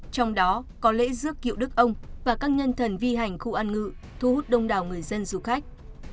trong đó có lễ dước kiệu đức ông và các nhân thần vi hành khu ăn ngự thu hút đông đảo người dân du khách